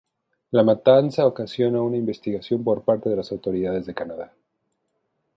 La matanza ocasiona una investigación por parte de las autoridades de Canadá.